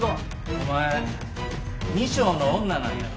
お前二丁の女なんやろ？